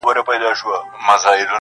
کابله بیا دي اجل راغلی -